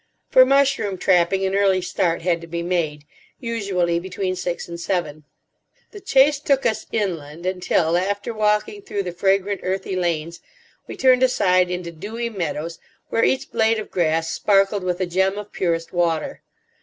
For mushroom trapping an early start had to be made—usually between six and seven. The chase took us inland, until, after walking through the fragrant, earthy lanes, we turned aside into dewy meadows, where each blade of grass sparkled with a gem of purest water.